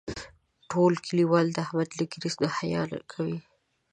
ټول کلیوال د احمد له ږیرې نه حیا کوي.